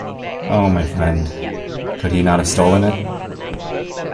Oh, my friend, could he not have stolen it?